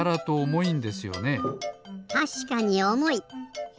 たしかにおもい！